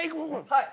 はい。